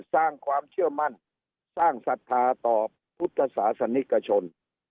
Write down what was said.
สร้างความเชื่อมั่นสร้างศรัทธาต่อพุทธศาสนิกชน